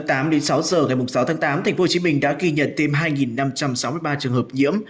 tính từ một mươi tám h ngày năm tháng tám đến sáu h ngày sáu tháng tám tp hcm đã ghi nhận thêm hai năm trăm sáu mươi ba trường hợp nhiễm